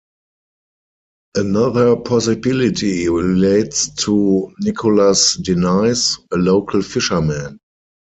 Another possibility relates to Nicholas Denys, a local fisherman.